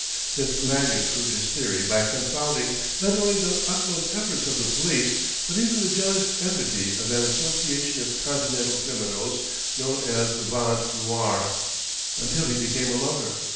This Lanyard proved his theory by confounding not only the utmost efforts of the police but even the jealous enmity of that association of Continental criminals known as the Bande Noire until he became a lover.